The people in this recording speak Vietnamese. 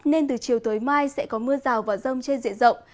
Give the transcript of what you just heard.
nên từ chiều tối mai sẽ có mưa rào và rông trên diện rộng